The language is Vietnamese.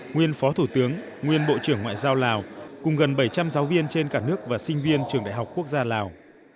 nguyên phó thủ tướng nguyên bộ trưởng ngoại giao lào cùng gần bảy trăm linh giáo viên trên cả nước và sinh viên trường đại học quốc gia lào